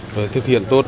rồi thực hiện tốt